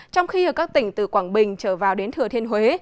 trong khi ở các tỉnh từ quảng bình trở vào đến thừa thiên huế